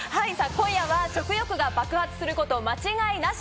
今夜は食欲が爆発すること間違いなし。